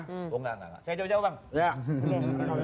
oh enggak enggak enggak saya jawab jawab bang